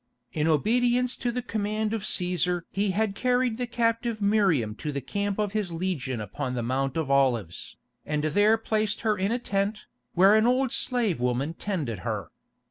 In obedience to the command of Cæsar he had carried the captive Miriam to the camp of his legion upon the Mount of Olives, and there placed her in a tent, where an old slave woman tended her.